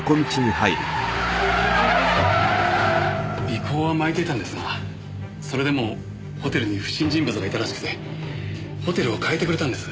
尾行はまいていたんですがそれでもホテルに不審人物がいたらしくてホテルを変えてくれたんです。